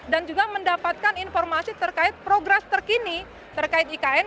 dan juga mendapatkan informasi terkait progres terkini terkait ikn